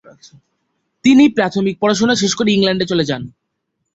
তিনি প্রাথমিক পড়াশোনা শেষ করে ইংল্যান্ড চলে যান।